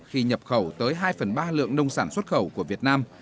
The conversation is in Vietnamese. khi nhập khẩu tới hai phần ba lượng nông sản xuất khẩu của việt nam